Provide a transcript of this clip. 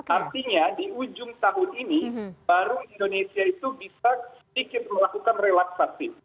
artinya di ujung tahun ini baru indonesia itu bisa sedikit melakukan relaksasi